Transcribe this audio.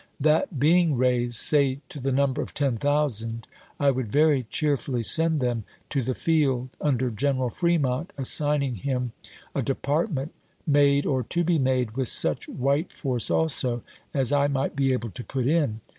That being raised, say to the number of ten thousand, I would very cheer fully send them to the field under General Fremont, as signing him a Department, made or to be made with such wliite force also as I might be able to put in.